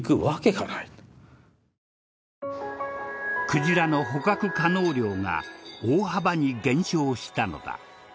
クジラの捕獲可能量が大幅に減少したのだ。